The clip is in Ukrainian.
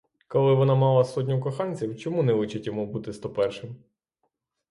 Коли вона мала сотню коханців, чому не личить йому бути сто першим?